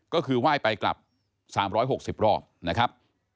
ก็คือไหว้ไปกลับ๓๖๐รอบนะครับ